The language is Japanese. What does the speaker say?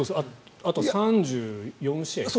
あと３４試合？